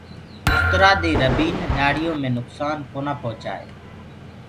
اُسترآ دي ربيٚن ڏآڙهيو مي نُڪسآن ڪونآ پوهچآئي۔